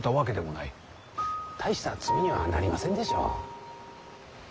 大した罪にはなりませんでしょう？